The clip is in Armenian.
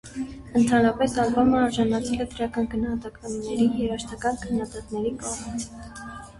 Ընդհանրապես, ալբոմը արժանացել է դրական գնահատականների՝ երաժշտական քննադատների կողմից։